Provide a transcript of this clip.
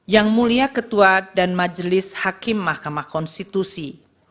yang mulia ketua dan majelis hakim mahkamah konstitusi